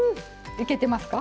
いけてますか？